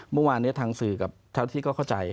เมื่อวานนี้ทางสื่อกับเท่าที่ก็เข้าใจ